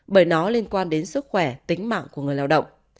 bởi nó liên quan đến sức khỏe tính mạng của người lao động